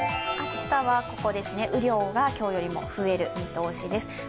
明日は雨量が今日よりも増える見通しです。